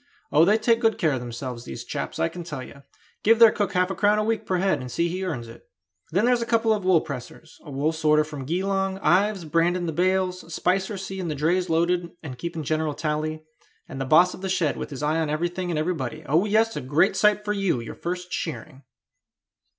Oh, they take good care of themselves, these chaps, I can tell you; give their cook half a crown a week per head, and see he earns it. Then there's a couple of wool pressers, a wool sorter from Geelong, Ives branding the bales, Spicer seeing the drays loaded and keeping general tally, and the boss of the shed with his eye on everything and everybody. Oh, yes, a great sight for you your first shearing!"